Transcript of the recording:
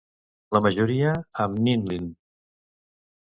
La majoria amb Ninlil?